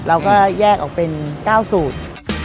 เราก็แยกออกเป็น๙สูตร